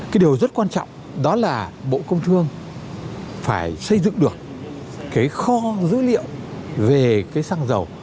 cái điều rất quan trọng đó là bộ công thương phải xây dựng được cái kho dữ liệu về cái xăng dầu